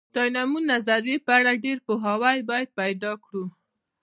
د ډایمونډ نظریې په اړه ډېر پوهاوی باید پیدا کړو.